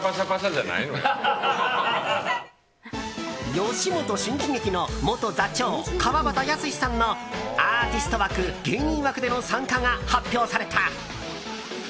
吉本新喜劇の元座長川畑泰史さんのアーティスト枠、芸人枠での参加が発表された。